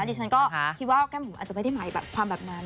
ดิฉันก็คิดว่าแก้มหมูอาจจะไม่ได้หมายแบบความแบบนั้น